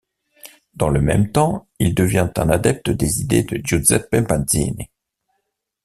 Dans le même temps, il devient un adepte des idées de Giuseppe Mazzini.